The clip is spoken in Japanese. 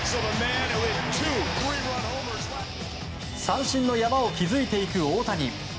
三振の山を築いていく大谷。